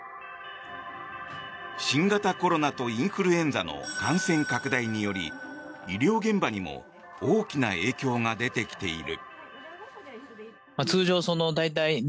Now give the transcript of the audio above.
新型コロナとインフルエンザの感染拡大により医療現場にも大きな影響が出てきている。